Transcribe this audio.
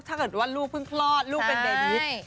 ถ้าเกิดว่าลูกพึ่งคลอดลูกเป็นเด็นนิตย์ใช่